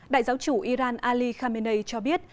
đại giáo chủ iran ali khamenei cho biết